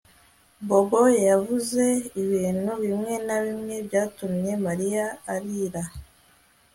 Bobo yavuze ibintu bimwe na bimwe byatumye Mariya arira